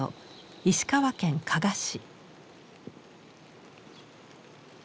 石川県加賀市。